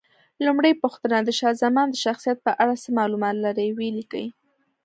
لومړۍ پوښتنه: د شاه زمان د شخصیت په اړه څه معلومات لرئ؟ ویې لیکئ.